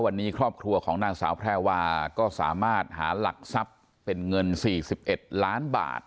วันนี้ครอบครัวของนางสาวแพรวาก็สามารถหาหลักทรัพย์เป็นเงิน๔๑ล้านบาท